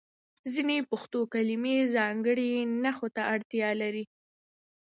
ځینې پښتو کلمې ځانګړي نښو ته اړتیا لري.